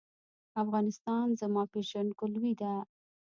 افغانستان زما پیژندګلوي ده